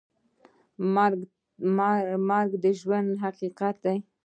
مرګ د ژوند حقیقت دی؟